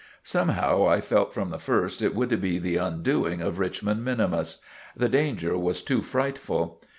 Somehow I felt from the first it would be the undoing of Richmond minimus. The danger was too frightful.